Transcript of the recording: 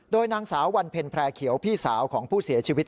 โดยนางสาววันเพ็ญแพร่เขียวพี่สาวของผู้เสียชีวิต